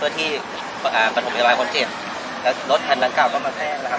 เพื่อที่อ่าประถมบิตรบายคนเจ็บแล้วรถทางด้านกลางก็มาแปลงนะครับ